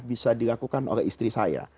bisa dilakukan oleh istri saya